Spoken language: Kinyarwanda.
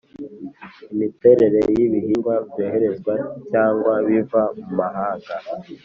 Imiterere y ibihingwa byoherezwa cyangwa biva mu mahanga